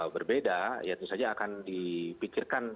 berbeda ya itu saja akan dipikirkan